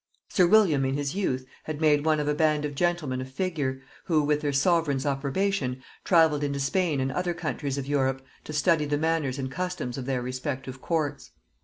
Sir William in his youth had made one of a band of gentlemen of figure, who, with their sovereign's approbation, travelled into Spain and other countries of Europe to study the manners and customs of their respective courts.